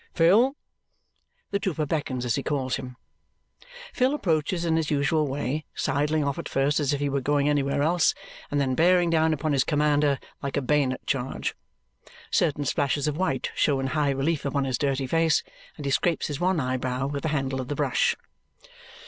"Phil!" The trooper beckons as he calls him. Phil approaches in his usual way, sidling off at first as if he were going anywhere else and then bearing down upon his commander like a bayonet charge. Certain splashes of white show in high relief upon his dirty face, and he scrapes his one eyebrow with the handle of the brush.